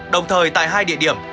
đồng thời tại hai địa điểm